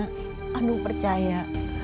kau harus sabar ratna